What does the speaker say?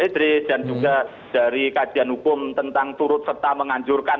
dan juga dari kajian hukum tentang turut serta menganjurkan